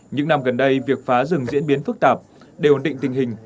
những năm gần đây việc phá rừng diễn biến phức tạp để ổn định tình hình